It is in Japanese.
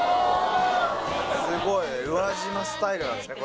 すごい宇和島スタイルなんですね